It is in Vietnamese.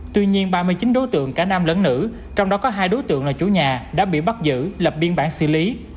tuy nhiên ba mươi chín đối tượng cả nam lẫn nữ trong đó có hai đối tượng là chủ nhà đã bị bắt giữ lập biên bản xử lý